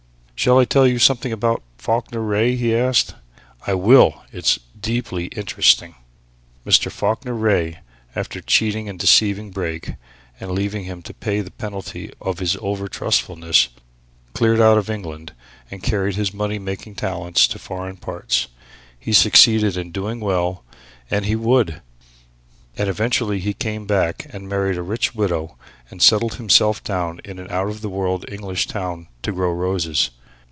"Shall I tell you something about Falkiner Wraye?" he asked. "I will! it's deeply interesting. Mr. Falkiner Wraye, after cheating and deceiving Brake, and leaving him to pay the penalty of his over trustfulness, cleared out of England and carried his money making talents to foreign parts. He succeeded in doing well he would! and eventually he came back and married a rich widow and settled himself down in an out of the world English town to grow roses.